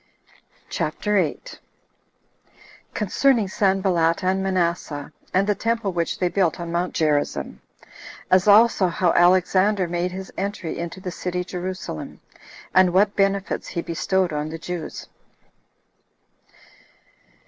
CHAPTER 8. Concerning Sanballat And Manasseh, And The Temple Which They Built On Mount Gerizzim; As Also How Alexander Made His Entry Into The City Jerusalem, And What Benefits He Bestowed On The Jews.